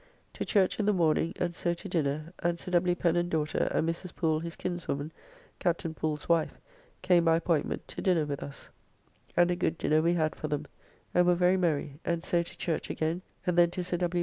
To church in the morning, and so to dinner, and Sir W. Pen and daughter, and Mrs. Poole, his kinswoman, Captain Poole's wife, came by appointment to dinner with us, and a good dinner we had for them, and were very merry, and so to church again, and then to Sir W.